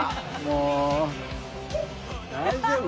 發大丈夫？